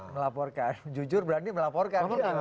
melaporkan jujur berani melaporkan